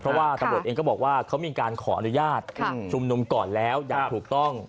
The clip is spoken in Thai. เพราะว่าตำรวจเองก็บอกว่าเขามีการขออนุญาตชุมนุมก่อนแล้วอย่างถูกต้อง